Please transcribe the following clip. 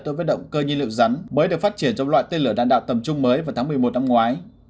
đối với động cơ nhiên liệu rắn mới được phát triển trong loại tên lửa đạn đạo tầm trung mới vào tháng một mươi một năm ngoái